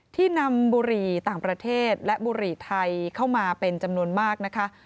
ที่นำบุหรี่ต่างประเทศและบุหรี่ไทยเข้ามาเป็นจำนวนมากนะคะ